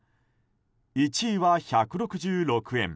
１位は１６６円。